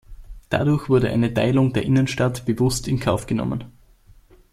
Dadurch wurde eine Teilung der Innenstadt bewusst in Kauf genommen.